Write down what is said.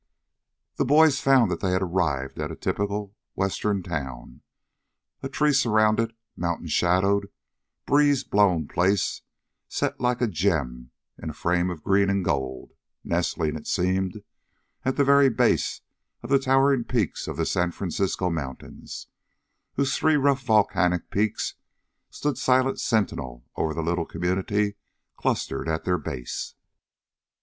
The boys found that they had arrived at a typical western town, a tree surrounded, mountain shadowed, breeze blown place set like a gem in a frame of green and gold, nestling, it seemed, at the very base of the towering peaks of the San Francisco mountains, whose three rough volcanic peaks stood silent sentinel over the little community clustered at their base.